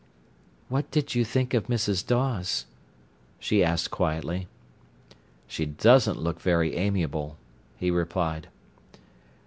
"What did you think of Mrs. Dawes?" she asked quietly. "She doesn't look very amiable," he replied.